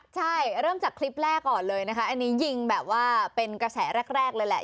ใช่เริ่มจากคลิปแรกก่อนเลยนะคะอันนี้ยิงแบบว่าเป็นกระแสแรกเลยแหละ